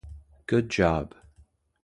Good job.